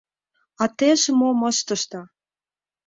А теже мом ыштышда?